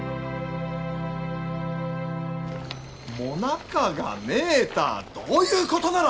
・もなかがねえたあどういうことなら！